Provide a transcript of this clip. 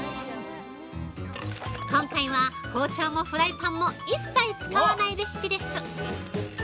今回は、包丁もフライパンも一切使わないレシピです。